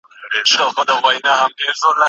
ته ولې له ما څخه خپل ښکلی مخ پټوې؟